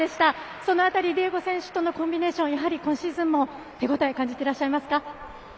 その辺り、ディエゴ選手とのコンビネーションはやはり今シーズンも手応えを感じてらっしゃいますか。